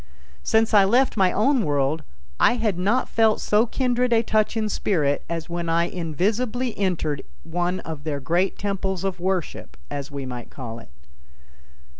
Since I left my own world I had not felt so kindred a touch in spirit as when I invisibly entered one of their great temples of worship, as we might call it.